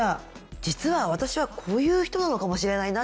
実は私はこういう人なのかもしれないなっていうのが。